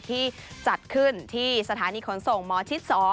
ที่จัดขึ้นที่สถานีขนส่งหมอชิด๒